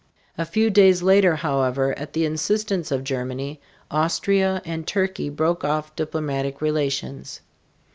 A few days later, however, at the instance of Germany, Austria and Turkey broke off diplomatic relations.